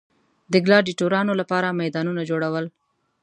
د ګلاډیټورانو لپاره میدانونه جوړول.